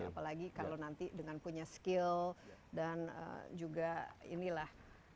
apalagi kalau nanti dengan punya skill dan juga inilah